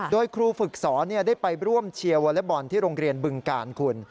โดยครูฝึกสอนได้ไปร่วมเชียร์วอเล็กบอลที่โรงเรียนบึงกาลคุณ